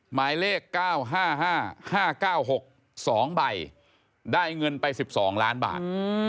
หมายเลข๙๕๕๙๖๒ใบได้เงินไป๑๒ล้านบาท